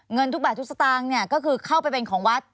เงินทุกบาททุกสตางค์เนี่ยก็คือเข้าไปเป็นของวัด